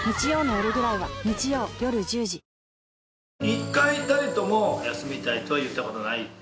１回たりとも「休みたい」とは言った事ない。